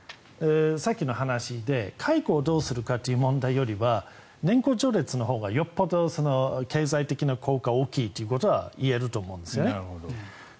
さっきの話で解雇をどうするかという問題よりは年功序列のほうがよっぽど経済的な効果は大きいということは言えると思うんです。